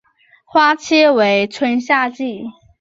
花期为春夏季。